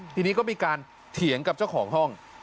ทีนี้ก็มีการเถียงกับเจ้าของห้อง